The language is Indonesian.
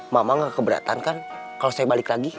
mama gak keberatan kan kalau saya balik lagi